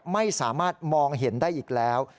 ไม่สามารถมองเห็นได้อีกแล้ว